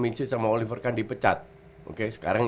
misi sama oliver kan dipecat oke sekarang